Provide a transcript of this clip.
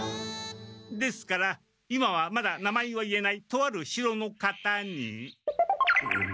ですから今はまだ名前は言えないとある城の方に。